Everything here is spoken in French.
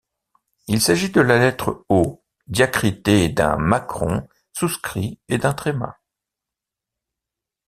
Il s’agit de la lettre O diacritée d’un macron souscrit et d’un tréma.